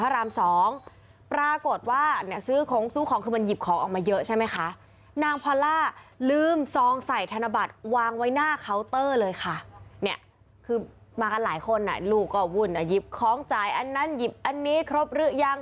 ลูกก็หุ่นอ่ะหยิบของจ่ายอันนั้นหยิบอันนี้ครบหรือยัง